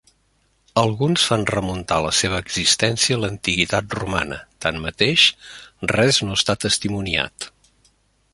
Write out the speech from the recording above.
Alguns fan remuntar la seva existència a l'antiguitat romana, tanmateix res no està testimoniat.